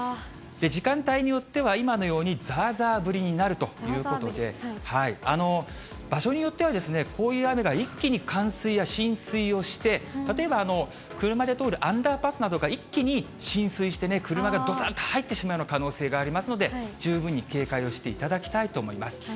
時間帯によっては、今のようにざーざー降りになるということで、場所によっては、こういう雨が一気に冠水や浸水をして、例えば車で通るアンダーパスなどが一気に浸水して、車がどさーっと入ってしまうような可能性がありますので、十分に警戒をしていただきたいと思います。